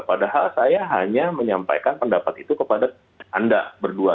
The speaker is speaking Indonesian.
padahal saya hanya menyampaikan pendapat itu kepada anda berdua